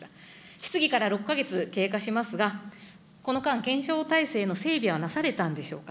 質疑から６か月経過しますが、この間、検証体制の整備はなされたんでしょうか。